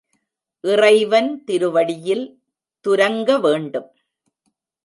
இறைவன் திருவடியில் துரங்க வேண்டும்.